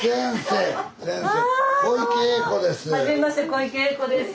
先生小池栄子です。